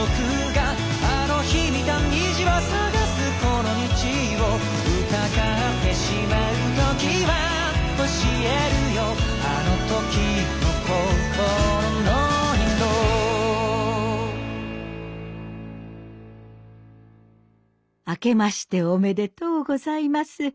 「あの時の心の色」明けましておめでとうございます。